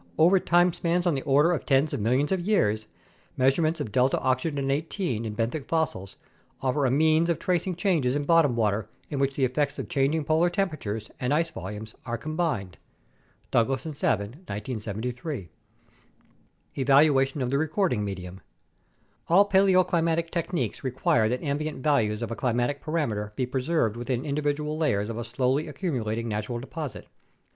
Over time spans on the order of tens of millions of years, measurements of 8 ls O in benthic fossils offer a means of tracing changes in bottom water in which the effects of changing polar temperatures and ice volumes are combined (Douglas and Savin, 1973). Evaluation of the Recording Medium All paleoclimatic techniques require that ambient values of a climatic parameter be preserved within individual layers of a slowly accumulating natural deposit.